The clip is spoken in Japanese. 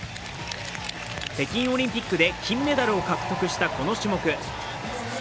北京オリンピックで金メダルを獲得したこの種目。